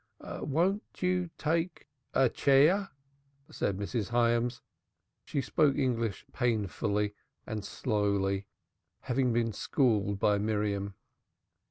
"Won't you take a chair?" said Mrs. Hyams. She spoke English painfully and slowly, having been schooled by Miriam.